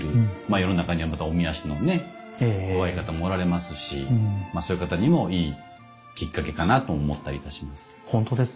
世の中にはまたおみ足のね弱い方もおられますしそういう方にもいいきっかけかなと思ったりいたします。